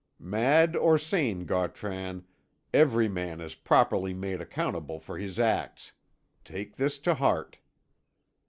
"Mad or sane, Gautran, every man is properly made accountable for his acts. Take this to heart."